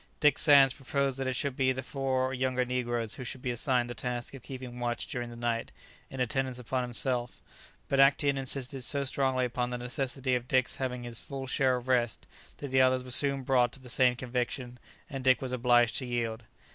Dick Sands proposed that it should be the four younger negroes who should be assigned the task of keeping watch during the night, in attendance upon himself; but Actæon insisted so strongly upon the necessity of Dick's having his full share of rest, that the others were soon brought to the same conviction, and Dick was obliged to yield.